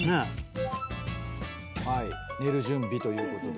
寝る準備ということで。